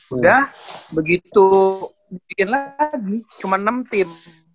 udah begitu bikin lagi cuma enam tim